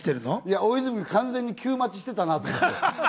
大泉君、完全にキュー待ちしてたなって思って。